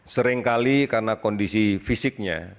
seringkali karena kondisi fisiknya